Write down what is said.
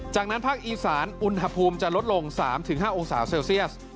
จากนั้นภาคอีสานอุณหภูมิจะลดลง๓๕องศาเซลเซียส